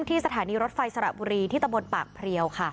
ที่สถานีรถไฟสระบุรีที่ตะบนปากเพลียวค่ะ